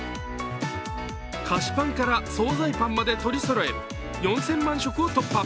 菓子パンから総菜パンまで取りそろえ４０００万食を突破。